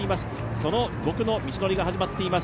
その５区の道のりが始まっています